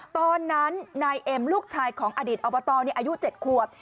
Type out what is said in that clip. ตอนนั้นนายเอ็มลูกชายของอดีตอบตอายุ๗ขวบ